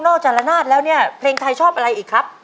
จากละนาดแล้วเนี่ยเพลงไทยชอบอะไรอีกครับ